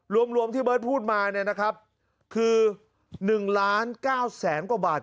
รวมรวมที่เบิร์ตพูดมาเนี่ยนะครับคือหนึ่งล้านเก้าแสนกว่าบาท